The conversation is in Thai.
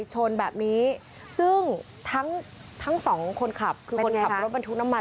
ชนแบบนี้ซึ่งทั้งสองคนขับคือคนขับรถบรรทุกน้ำมัน